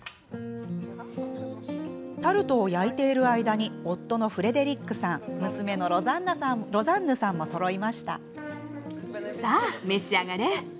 タルトを焼いている間に夫のフレデリックさん娘のロザンヌさんもそろいました。